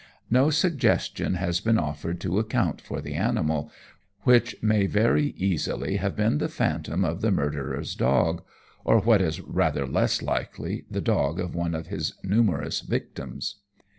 No suggestion has been offered to account for the animal, which may very easily have been the phantom of the murderer's dog, or, what is rather less likely, the dog of one of his numerous victims.